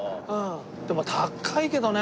でも高いけどね。